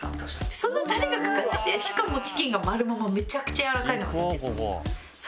そのタレがかかっててしかもチキンがまるままめちゃくちゃやわらかいのが入ってますから。